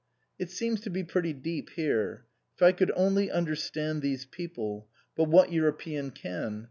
" It seems to be pretty deep here. If I could only understand these people but what Euro pean can